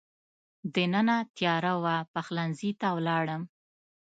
دننه تېاره وه، پخلنځي ته ولاړم.